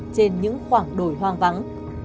trên những khoảng đồi hoang vắng